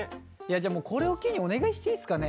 じゃあもうこれを機にお願いしていいっすかね？